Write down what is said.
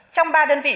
trong ba đơn vị